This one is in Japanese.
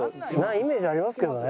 イメージありますけどね。